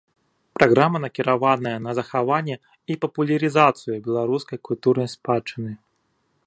Праграма накіраваная на захаванне і папулярызацыю беларускай культурнай спадчыны.